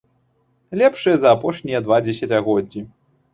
Лепшыя за апошнія два дзесяцігоддзі.